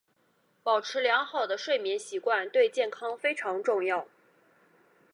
保持良好的睡眠习惯对健康非常重要。